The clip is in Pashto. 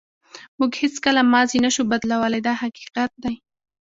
موږ هیڅکله ماضي نشو بدلولی دا حقیقت دی.